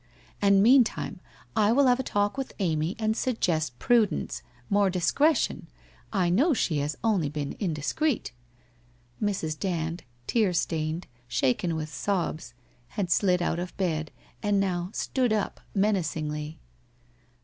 And meantime I will have a talk with Amy WHITE ROSE OF WEARY LEAF 191 and suggest prudence — more discretion. 1 know she has onlv been indiscreet.' Mrs. Dand, tear stained, shaken with sobs, had slid out of bed, and now stood up menacingly.